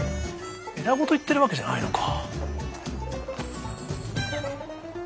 枝ごといってるわけじゃないのか。